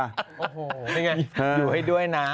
โอ้โหนี่ไงอยู่ให้ด้วยนะ